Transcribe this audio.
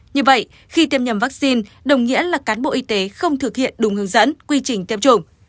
như vậy khi tiêm nhầm vaccine đồng nghĩa là cán bộ y tế không thực hiện đúng hướng dẫn quy trình tiêm chủng